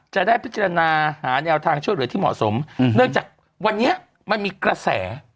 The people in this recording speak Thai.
จะได้พิจารณาหาแนวทางช่วยเหลือที่เหมาะสมเนื่องจากวันนี้มันมีกระแส